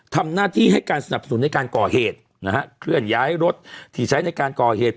ทำหน้าที่ให้การสนับสนุนในการก่อเหตุนะฮะเคลื่อนย้ายรถที่ใช้ในการก่อเหตุ